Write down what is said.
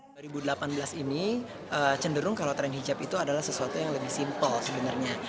tahun dua ribu delapan belas ini cenderung kalau tren hijab itu adalah sesuatu yang lebih simpel sebenarnya